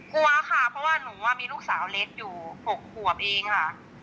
กลัวค่ะเพราะว่าหนูมีลูกสาวเล็กอยู่๖ขวบเองค่ะ